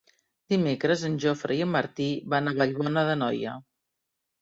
Dimecres en Jofre i en Martí van a Vallbona d'Anoia.